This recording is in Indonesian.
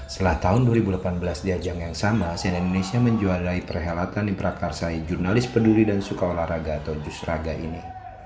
setelah tahun dua ribu delapan belas diajang yang sama siena indonesia menjuadai perhelatan di prakarsai jurnalis peduli dan suka olahraga atau justraga ini